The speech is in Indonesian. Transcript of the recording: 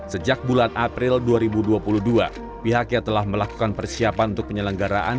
sejak bulan april dua ribu dua puluh dua pihaknya telah melakukan persiapan untuk penyelenggaraan